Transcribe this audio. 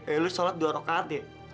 eh lo sholat dua rokaat ya